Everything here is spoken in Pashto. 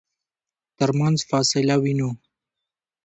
ترمنځ فاصله وينو.